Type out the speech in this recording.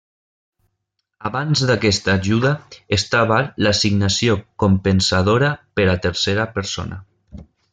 Abans d'aquesta ajuda, estava l'assignació compensadora per a tercera persona.